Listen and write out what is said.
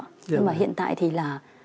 nhưng mà hiện tại thì là